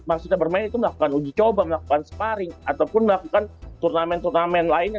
maksudnya bermain itu melakukan uji coba melakukan sparring ataupun melakukan turnamen turnamen lainnya